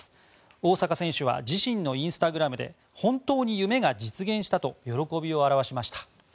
大坂選手は自身のインスタグラムで本当に夢が実現したと喜びを表しました。